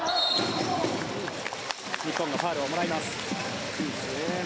日本がファウルをもらいます。